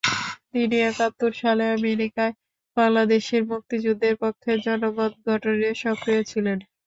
তিনি একাত্তর সালে আমেরিকায় বাংলাদেশের মুক্তিযুদ্ধের পক্ষে জনমত গঠনে সক্রিয় ছিলেন।